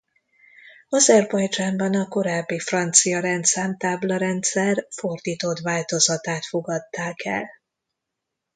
Azerbajdzsánban a korábbi francia rendszámtábla-rendszer fordított változatát fogadták el.